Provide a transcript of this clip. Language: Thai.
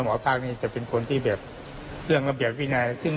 หมอภาคจะเป็นคนที่เรื่องแบบวินัย